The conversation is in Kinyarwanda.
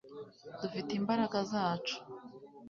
dufite imbaraga zacu